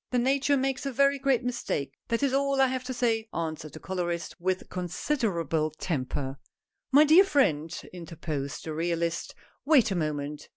"" Then Nature makes a very great mistake, that is all I have to say," answered " the colorist," with consider able temper. "My dear friend," interposed the realist, "wait a moment.